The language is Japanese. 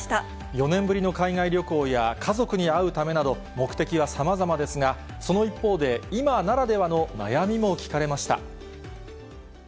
４年ぶりの海外旅行や家族に会うためなど、目的はさまざまですが、その一方で、今ならではの悩みも聞かれました。